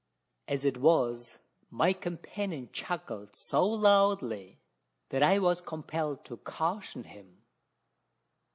As it was, my companion chuckled so loudly, that I was compelled to caution him.